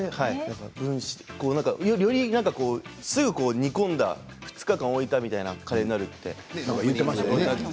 より、すぐ煮込んだ２日間置いたようなカレーになるって言ってましたね。